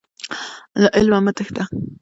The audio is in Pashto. له علمه مه تښته.